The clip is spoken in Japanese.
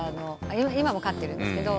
今も飼ってるんですけど。